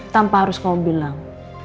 tanpa harus kamu bilang